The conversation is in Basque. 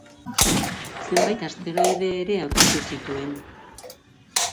Zenbait asteroide ere aurkitu zituen.